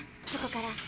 そこから。